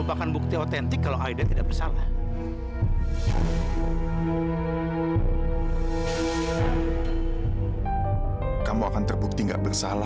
saya terbiasa nyetir ambulans